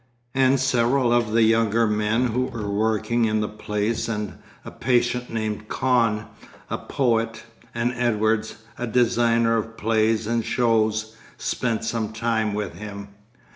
And several of the younger men who were working in the place and a patient named Kahn, a poet, and Edwards, a designer of plays and shows, spent some time with him.